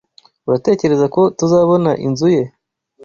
Uratekereza ko tuzabona inzu ye?